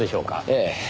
ええ。